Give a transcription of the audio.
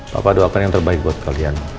bapak doakan yang terbaik buat kalian